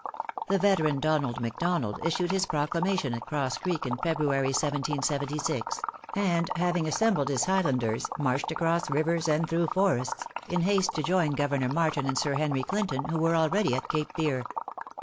The veteran Donald McDonald issued his proclamation at Cross Creek, in February, 1776, and having assembled his Flighlanders, marched across rivers and through forests, in haste to join Governor Martin and Sir Henry Clinton, who were already at Cape Fear.